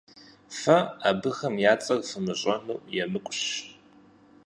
Фэ абыхэм я цӀэр фымыщӀэну емыкӀущ.